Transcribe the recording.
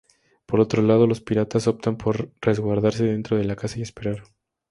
Por otro lado, los piratas optan por resguardarse dentro de la casa y esperar.